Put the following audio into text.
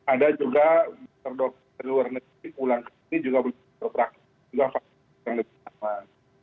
ada juga dokter luar negeri ulang ke sini juga berpengalaman